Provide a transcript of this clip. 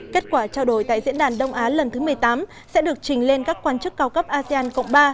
kết quả trao đổi tại diễn đàn đông á lần thứ một mươi tám sẽ được trình lên các quan chức cao cấp asean cộng ba